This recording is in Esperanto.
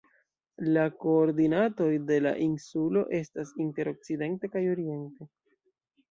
La koordinatoj de la insulo estas inter okcidente kaj oriente.